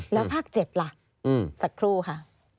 แล้วภาค๗ล่ะสักครู่ค่ะ